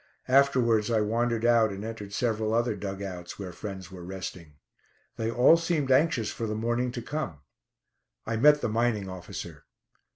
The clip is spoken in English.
Afterwards I wandered out, and entered several other dug outs, where friends were resting. They all seemed anxious for the morning to come. I met the mining officer.